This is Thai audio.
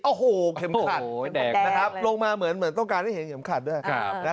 โอ้โหเข็มขาดโอ้โหแดกนะครับลงมาเหมือนต้องการให้เห็นเข็มขาดด้วย